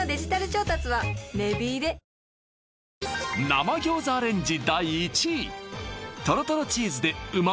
生餃子アレンジ